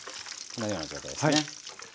こんなような状態ですね。